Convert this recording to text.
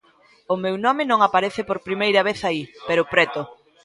O meu nome non aparece por primeira vez aí, pero preto.